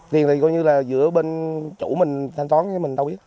tiền thì gọi như là giữa bên chủ mình thanh toán mình đâu biết